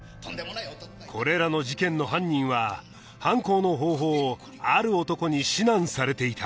これらの事件の犯人は犯行の方法をある男に指南されていた